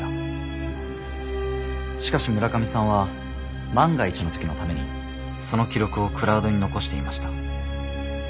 しかし村上さんは万が一の時のためにその記録をクラウドに残していました。